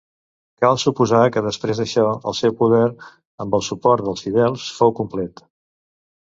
Cal suposar que després d'això el seu poder, amb el suport dels fidels, fou complet.